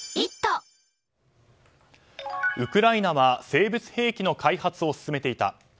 ウクライナは生物兵器の開発を進めていた。